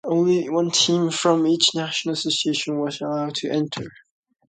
Only one team from each national association was allowed to enter.